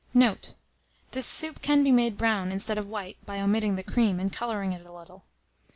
Note. This soup can be made brown, instead of white, by omitting the cream, and colouring it a little.